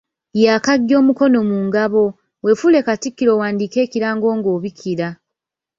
Yaakaggya omukono mu ngabo, weefuule katikkiro owandiike ekirango ng’obikira